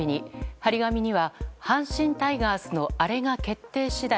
貼り紙には、阪神タイガースのアレが決定次第